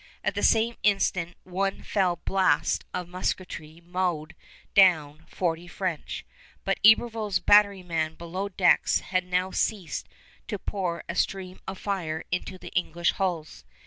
At the same instant one fell blast of musketry mowed down forty French; but Iberville's batterymen below decks had now ceased to pour a stream of fire into the English hulls.